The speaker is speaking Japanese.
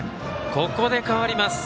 ここで代わります。